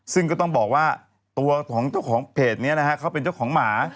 ซึ่งก็ต้องบอกว่าตัวของเจ้าของเพจนี้นะฮะเขาเป็นเจ้าของหมา